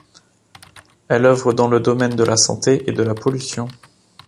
Elle oeuvre dans le domaine de la Santé et la Pollution.